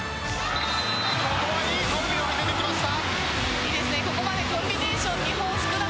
ここはいいコンビを決めてきました。